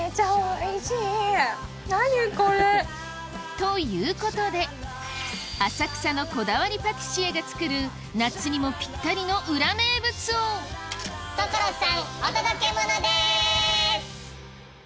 何これ！ということで浅草のこだわりパティシエが作る夏にもぴったりの裏名物を所さんお届けモノです！